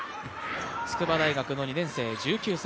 筑波大学の２年生、１９歳。